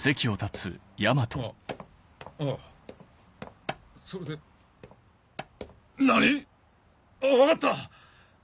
あぁあぁそれで？何⁉あぁ分かった！